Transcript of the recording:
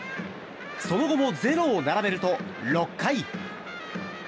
その後もゼロを並べると６回。